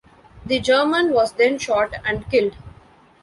The German was then shot and killed.